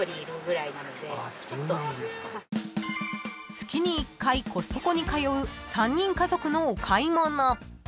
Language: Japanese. ［月に１回コストコに通う３人家族のお買い物］